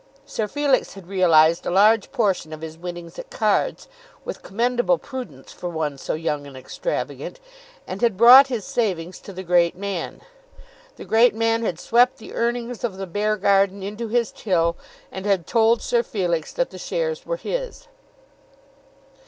Sir Felix had realised a large portion of his winnings at cards, with commendable prudence for one so young and extravagant, and had brought his savings to the great man. The great man had swept the earnings of the Beargarden into his till, and had told Sir Felix that the shares were his.